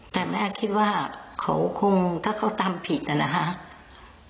แต่แม่คิดว่าเขาคงถ้าเขาทำผิดนะครับ